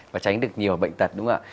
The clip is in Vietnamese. và tránh được nhiều bệnh tật đúng không ạ